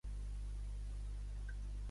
La pandèmia dura més del que tots desitjaríem.